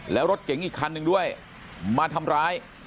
แล้วรถเก๋งอีกคันหนึ่งด้วยมาทำร้าย